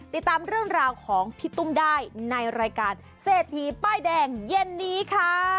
ติดตามเรื่องราวของพี่ตุ้มได้ในรายการเศรษฐีป้ายแดงเย็นนี้ค่ะ